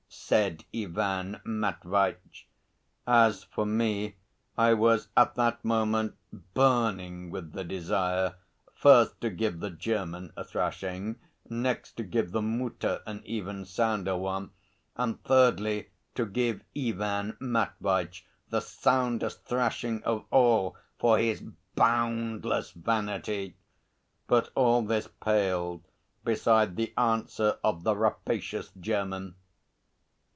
said Ivan Matveitch. As for me, I was at that moment burning with the desire, first, to give the German a thrashing, next, to give the Mutter an even sounder one, and, thirdly, to give Ivan Matveitch the soundest thrashing of all for his boundless vanity. But all this paled beside the answer of the rapacious German.